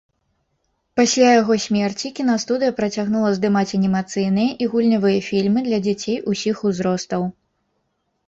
Пасля яго смерці кінастудыя працягнула здымаць анімацыйныя і гульнявыя фільмы для дзяцей усіх узростаў.